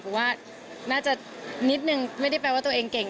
เพราะว่าน่าจะนิดนึงไม่ได้แปลว่าตัวเองเก่ง